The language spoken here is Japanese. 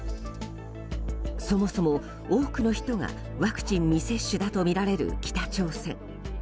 そもそも多くの人がワクチン未接種だとみられる北朝鮮。